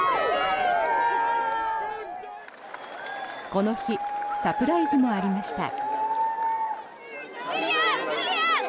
この日サプライズもありました。